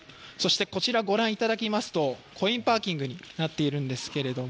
こちらご覧いただきますと、コインパーキングになっているんですけれども、